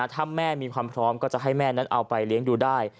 ถ้าแม่มีความพร้อมก็จะให้แม่นั้นเอาไปเลี้ยงดูได้